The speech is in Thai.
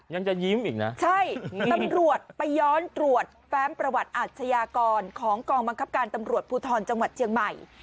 ยังจะยิ้มอีกนะใช่ตำรวจไปย้อนตรวจแฟ้มประวัติอาชญากรของกองบังคับการตำรวจภูทรจังหวัดเชียงใหม่